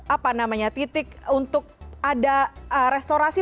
apa namanya titik untuk ada restorasi